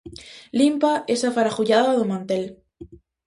Limpa esa faragullada do mantel.